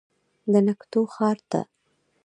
د نګهتونو ښار ته